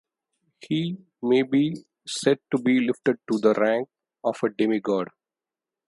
He may be said to be lifted to the rank of a demigod.